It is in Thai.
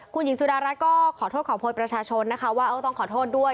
คุณหญิงสุดารัฐก็ขอโทษขอโพยประชาชนนะคะว่าต้องขอโทษด้วย